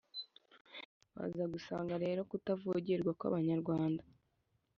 baza gusanga rero kutavogerwa kw’abanyarwanda